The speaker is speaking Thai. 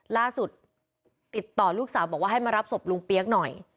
ล่าสุดติดต่อลูกสาวบอกว่าให้มารับศพลุงเปี๊ยกหน่อย